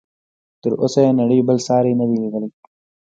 تر اوسه یې نړۍ بل ساری نه دی لیدلی.